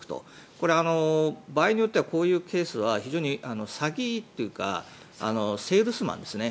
これは場合によってはこういうケースは非常に詐欺というかセールスマンですね。